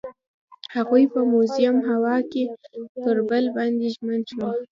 هغوی په موزون هوا کې پر بل باندې ژمن شول.